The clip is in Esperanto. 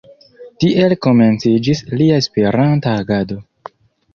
Tiel komenciĝis lia Esperanta agado.